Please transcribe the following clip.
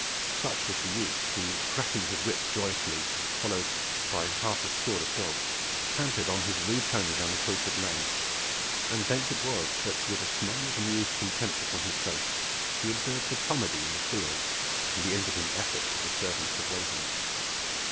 Such was the youth who, cracking his whip joyously, and followed by half a score of dogs, cantered on his rude pony down the Tilford Lane, and thence it was that with a smile of amused contempt upon his face he observed the comedy in the field and the impotent efforts of the servants of Waverley.